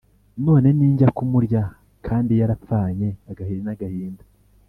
None sinjya kumurya kandi yarapfanye agahiri n’agahinda! »